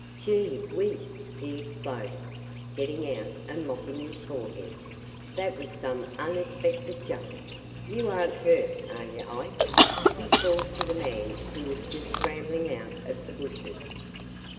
"Gee whiz!" he exploded, getting out and mopping his forehead. "That was some unexpected jump! You are n't hurt, are you, Ike?" he called to the man who was just scrambling out of the bushes.